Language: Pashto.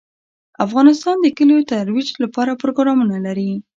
افغانستان د کلیو د ترویج لپاره پروګرامونه لري.